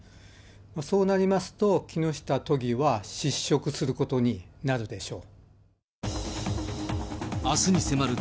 そうなりますと、木下都議は失職することになるでしょう。